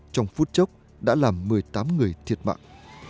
trong phút chốc đã làm một mươi tám người thiệt mạng